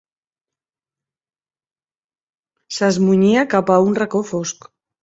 S'esmunyia cap a un reco fosc